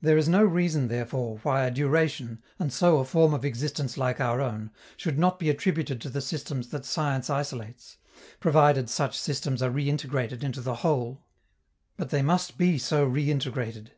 There is no reason, therefore, why a duration, and so a form of existence like our own, should not be attributed to the systems that science isolates, provided such systems are reintegrated into the Whole. But they must be so reintegrated.